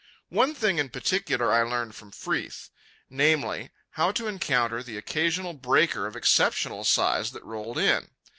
One thing in particular I learned from Freeth, namely, how to encounter the occasional breaker of exceptional size that rolled in.